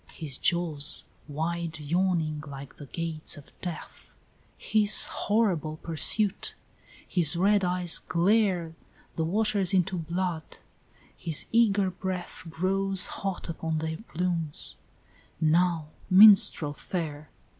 XXVIII. His jaws, wide yawning like the gates of Death, Hiss horrible pursuit his red eyes glare The waters into blood his eager breath Grows hot upon their plumes: now, minstrel fair!